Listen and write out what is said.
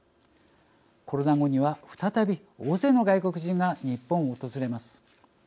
コロナ後には再び大勢の外国人が日本を訪れます。